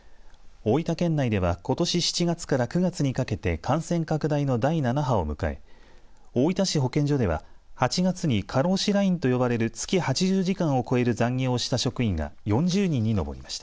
大分県内ではことし７月から９月にかけて感染拡大の第７波を迎え大分市保健所では８月に過労死ラインと呼ばれる月８０時間を超える残業をした職員が４０人に上りました。